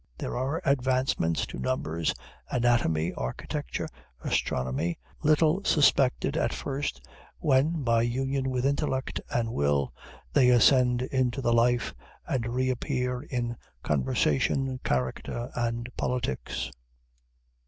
There are advancements to numbers, anatomy, architecture, astronomy, little suspected at first, when, by union with intellect and will, they ascend into the life, and reappear in conversation, character, and politics.